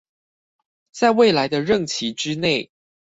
在未來的任期之內